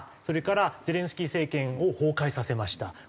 それから「ゼレンスキー政権を崩壊させました」。